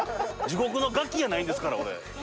地獄の餓鬼やないんですから俺。